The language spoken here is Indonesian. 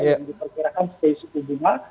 yang diperkirakan stay suku bunga